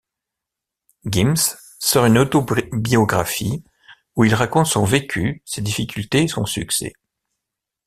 Gims sort une autobiographie où il raconte son vécu, ses difficultés et son succès.